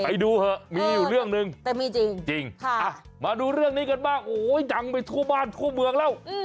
ไปดูเหอะมีอยู่เรื่องหนึ่งแต่มีจริงมาดูเรื่องนี้กันบ้างโอ้โหดังไปทั่วบ้านทั่วเมืองแล้ว